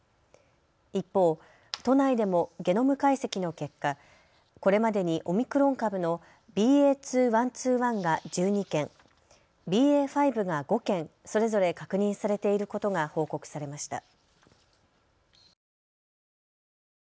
一方、都内でもゲノム解析の結果、これまでにオミクロン株のＢＡ．２．１２．１が１２件、ＢＡ．５が５件、それぞれ確認されていることが報告されました。